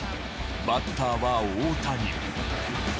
バッターは大谷。